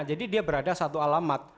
jadi dia berada satu alamat